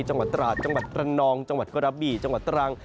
จังหวัดตราดจังหวัดตระนองจังหวัดกระบี่จังหวัดตรัง